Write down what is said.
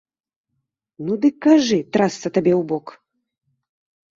Ну дык кажы, трасца табе ў бок!